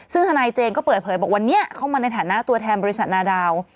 ซึ่งทนายเจนก็เปิดเผยบอกวันนี้เข้ามาในฐานะตัวแทนบริษัทนาดาว